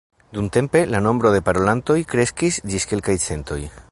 Dumtempe la nombro de parolantoj kreskis ĝis kelkaj centoj.